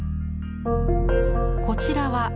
こちらは「乾」。